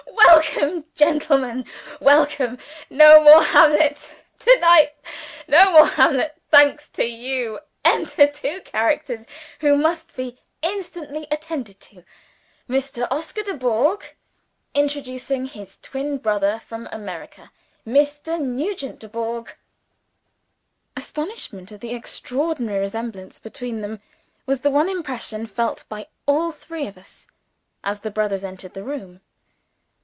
Welcome, gentlemen welcome! No more Hamlet, tonight, thanks to You. Enter two Characters who must be instantly attended to: Mr. Oscar Dubourg; introducing his twin brother from America, Mr. Nugent Dubourg. Astonishment at the extraordinary resemblance between them, was the one impression felt by all three of us, as the brothers entered the room.